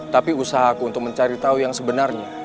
tapi usaha aku untuk mencari tahu yang sebenarnya